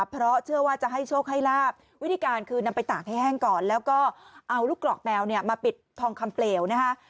เพราะเชื่อว่าจะให้โชคให้ลาบวิธีการคือนำไปตากให้แห้งก่อนแล้วก็เอาลูกกรอกแมวเนี่ยมาปิดทองคำเปลวนะฮะ